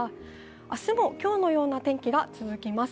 明日も今日のような天気が続きます。